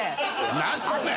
何しとんねん！